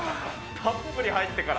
たっぷり入ってから。